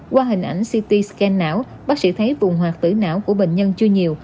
qua hình ảnh ct scan não bác sĩ thấy vùng hoạt tử não của bệnh nhân chưa nhiều